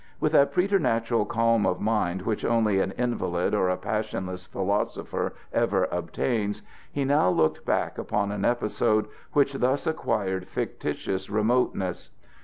With that preternatural calm of mind which only an invalid or a passionless philosopher ever obtains, he now looked back upon an episode which thus acquired fictitious remoteness.